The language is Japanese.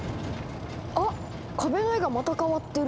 あっ壁の絵がまた変わってる。